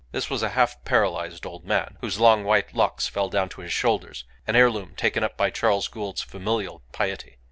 This was a half paralyzed old man, whose long white locks fell down to his shoulders: an heirloom taken up by Charles Gould's familial piety.